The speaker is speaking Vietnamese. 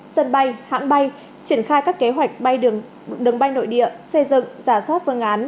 sân bay hãng bay triển khai các kế hoạch bay đường bay nội địa xây dựng giả soát phương án